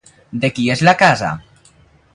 De qui és la casa?